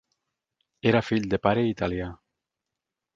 Era fill de pare italià.